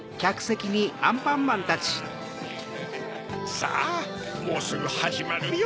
さぁもうすぐはじまるよ。